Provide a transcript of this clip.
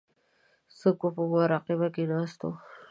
څوک په مراقبه کې ناست وو.